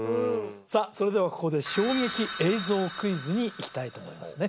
それではここで衝撃映像クイズにいきたいと思いますね